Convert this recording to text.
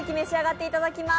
いただきます。